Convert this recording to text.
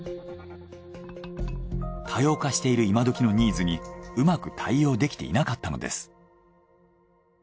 多様化している今どきのニーズにうまく対応できていなかったのです。